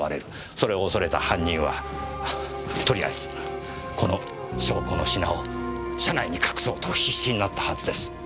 それを恐れた犯人はとりあえずこの証拠の品を車内に隠そうと必死になったはずです。